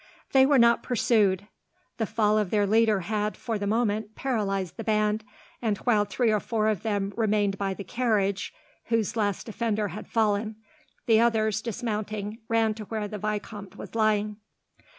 They were not pursued. The fall of their leader had, for the moment, paralysed the band, and while three or four of them remained by the carriage whose last defender had fallen the others, dismounting, ran to where the vicomte was lying.